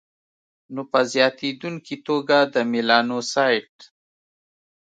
نو په زیاتېدونکي توګه د میلانوسایټ